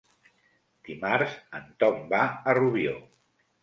Dimarts en Tom va a Rubió.